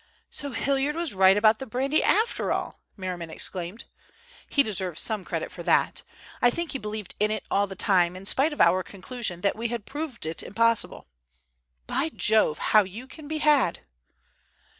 "So Hilliard was right about the brandy after all!" Merriman exclaimed. "He deserves some credit for that. I think he believed in it all the time, in spite of our conclusion that we had proved it impossible. By Jove! How you can be had!"